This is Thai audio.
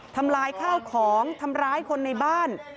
ทำร้ายข้าวของทำร้ายคนในบ้าน